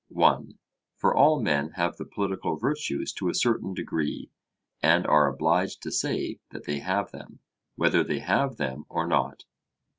(1) For all men have the political virtues to a certain degree, and are obliged to say that they have them, whether they have them or not.